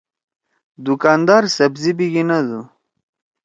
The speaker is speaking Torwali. دُکاندار سبزی بیِگَنَدُو۔